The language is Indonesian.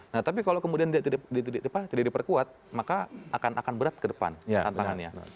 nah tapi kalau kemudian dia tidak diperkuat maka akan berat ke depan tantangannya